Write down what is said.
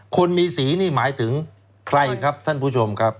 คนมีสีนี่หมายถึงใครครับท่านผู้ชมครับ